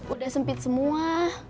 udah sempit semua